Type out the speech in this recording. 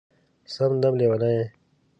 سم دم لېونی یې